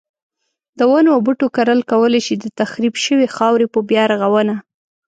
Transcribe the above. د ونو او بوټو کرل کولای شي د تخریب شوی خاورې په بیا رغونه.